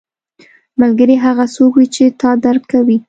ملګری هغه څوک وي چې تا درک کوي